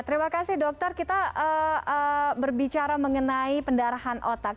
terima kasih dokter kita berbicara mengenai pendarahan otak